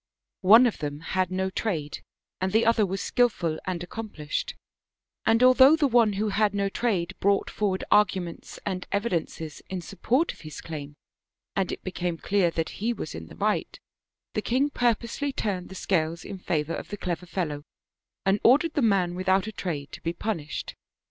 One of them had no trade, and the other was skillful and accomplished ; and although the one who had no trade brought forward arguments and evidences in support of his claim, and it became clear that fie was in the right, the king purposely turned the scales in favor of the clever fellow, and ordered the man without a trade to be punished.